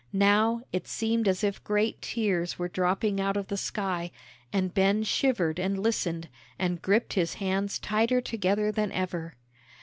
Now, it seemed as if great tears were dropping out of the sky, and Ben shivered and listened, and gripped his hands tighter together than ever.